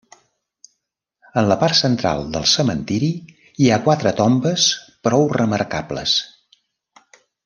En la part central del cementiri hi ha quatre tombes prou remarcables.